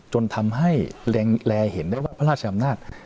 จนทำให้แรงเห็นได้ว่าพระราชอำนาจ